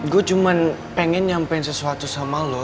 gue cuman pengen nyampein sesuatu sama lo